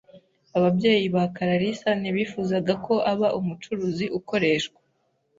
Ababyeyi ba karasira ntibifuzaga ko aba umucuruzi ukoreshwa.